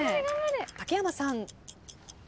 竹山さん。